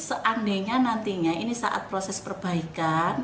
seandainya nantinya ini saat proses perbaikan